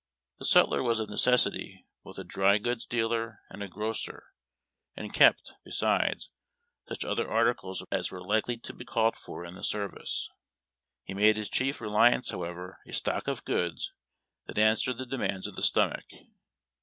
The sutler was of necessity both a dry goods dealer and a grocer, and kept, besides, such other articles as were likely to be called for in the service. He made his chief reliance, however, a stock of goods that answered the demands of the stomach.